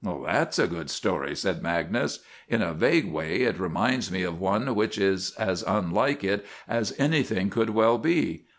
"That's a good story," said Magnus. "In a vague way it reminds me of one which is as unlike it as anything could well be.